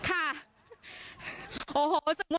อาจารย์โดยโชว์แล้วค่ะ